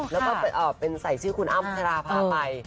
แล้วก็เป็นใส่ชื่อคุณอ้ำพัชราภาไป